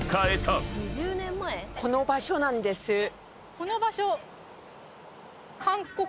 この場所？